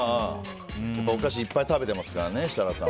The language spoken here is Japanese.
お菓子いっぱい食べてますからね、設楽さん。